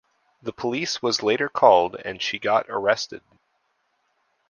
The police was later called and she got arrested.